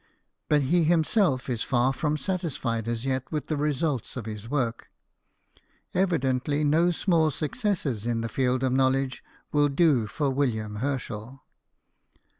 But he himself is far from satisfied as yet with the results of his work. Evidently no small successes in the field of knowledge will do for William Herschel.